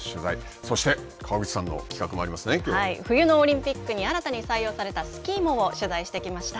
そして川口さんの企画もはい、冬のオリンピックに新たに採用されたスキーモを取材してきました。